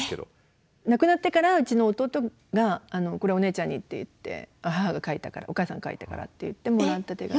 亡くなってからうちの弟が「これお姉ちゃんに」って言って母が書いたからお母さん書いたからって言ってもらった手紙。